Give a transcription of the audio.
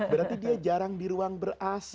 berarti dia jarang di ruang ber ac